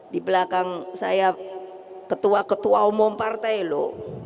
di belakang saya ketua ketua umum partai loh